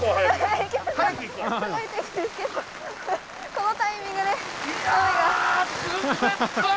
このタイミングで雨が。